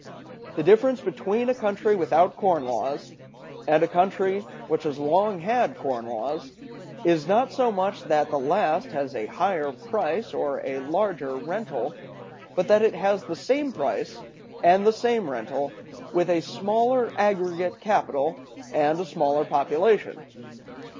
The difference between a country without corn laws and a country which has long had corn laws is not so much that the last has a higher price or a larger rental, but that it has the same price and the same rental with a smaller aggregate capital and a smaller population.